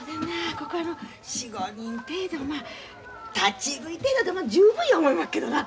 ここ４５人程度立ち食い程度でも十分や思いまっけどな。